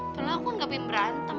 pernah aku ngeapin berantem